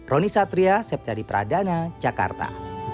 roni satria septyadi pradana jakarta